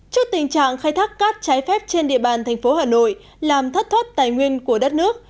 trước tình trạng khai thác cát trái phép trên địa bàn tp hà nội làm thắt thoát tài nguyên của đất nước